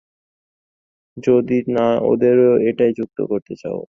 যদি না ওদেরও এটায় যুক্ত করতে চাও।